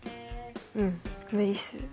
うん無理数。